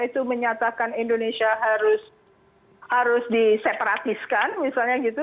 itu menyatakan indonesia harus diseparatiskan misalnya gitu